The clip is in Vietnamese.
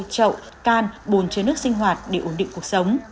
trậu can bồn chứa nước sinh hoạt để ổn định cuộc sống